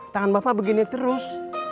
tangan bapak begini terus